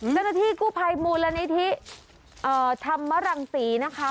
เจ้าหน้าที่กู้ภัยมูลนิธิธรรมรังศรีนะคะ